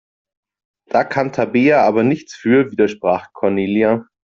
Da kann Tabea aber nichts für, widersprach Cornelia.